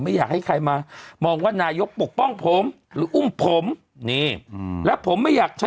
แต่ในขณะเยาว์กาลแต่วันนี้ค่ะ